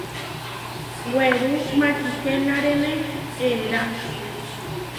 Werú mačihenaréne eerá.